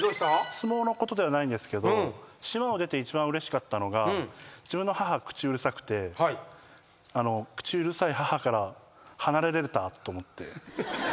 相撲のことではないんですけど島を出て一番うれしかったのが自分の母口うるさくて口うるさい母から離れられたと思って。